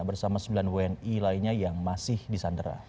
bersama sembilan wni lainnya yang masih di sandera